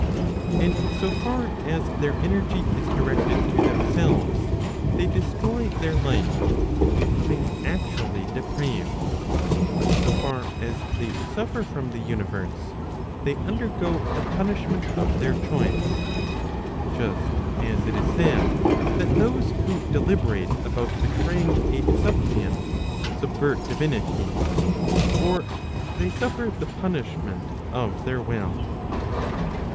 And so far as their energy is directed to themselves, they destroy their life, becoming actually depraved ; but so far as they suffer from the universe, they undergo the punishment of their choice ; (just as it is said, that those who deliberate Proc. Vo^. If. 3 T Digitized by t^OOQLe 514 ON THE SUBSISTENCE about betraying a suppliant, subvert divinity); or they suffer the punish¬ ment of their will.